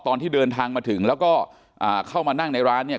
ตอนที่เดินทางมาถึงแล้วก็เข้ามานั่งในร้านเนี่ย